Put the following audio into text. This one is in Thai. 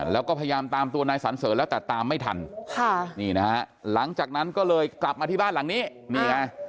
แล้วก็พยายามตามตัวนายสันเสริญแล้วแต่ตามไม่ทันค่ะนี่นะฮะหลังจากนั้นก็เลยกลับมาที่บ้านหลังนี้นี่ไง